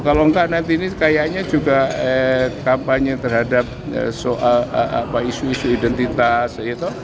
kalau enggak nanti ini kayaknya juga kampanye terhadap soal isu isu identitas gitu